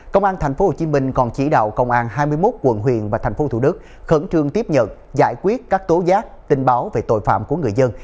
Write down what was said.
công an tp hcm còn chỉ đạo công an hai mươi một quận huyền và tp thủ đức khẩn trương tiếp nhận giải quyết các tố giác tình báo về tội phạm của người dân